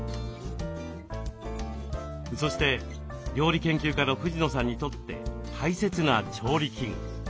そして料理研究家の藤野さんにとって大切な調理器具。